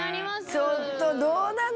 ちょっとどうなの？